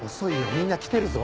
みんな来てるぞ。